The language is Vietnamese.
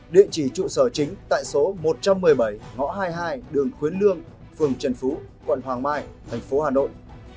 địa chỉ trụ sở chính tại số một trăm một mươi bảy ngõ hai mươi hai đường khuyến lương phường trần phú quận hoàng mai thành phố hà nội